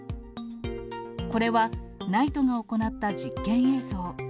これはＮＩＴＥが行った実験映像。